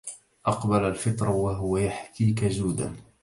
أقبل الفطر وهو يحكيك جودا